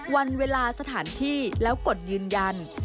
วันเวลาสถานที่แล้วกดยืนยัน